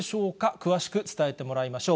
詳しく伝えてもらいましょう。